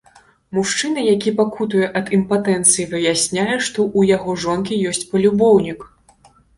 Мужчына, які пакутуе ад імпатэнцыі, выясняе, што ў яго жонкі ёсць палюбоўнік.